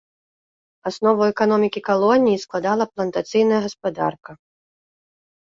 Аснову эканомікі калоніі складала плантацыйная гаспадарка.